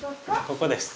ここです。